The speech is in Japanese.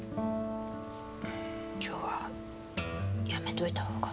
今日はやめといた方が。